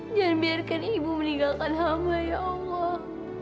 jangan biarkan ibu meninggalkan hama ya allah